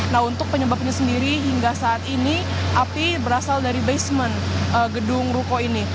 nah untuk penyebabnya sendiri hingga saat ini api berasal dari basement gedung ruko ini